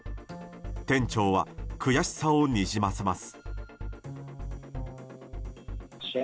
店長は悔しさをにじませます。